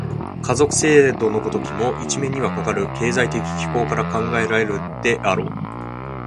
家族制度の如きも、一面にはかかる経済的機構から考えられるであろう。